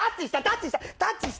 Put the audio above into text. タッチした！